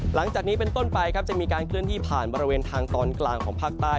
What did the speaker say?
หลังจากนี้เป็นต้นไปครับจะมีการเคลื่อนที่ผ่านบริเวณทางตอนกลางของภาคใต้